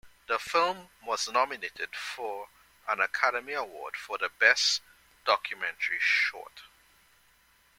The film was nominated for an Academy Award for Best Documentary Short.